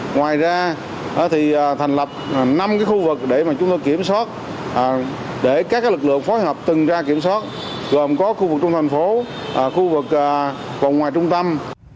ngoài ra thì thành lập năm cái khu vực để mà chúng ta kiểm soát để các cái lực lượng phối hợp từng ra kiểm soát gồm có khu vực trong thành phố khu vực vòng ngoài trung tâm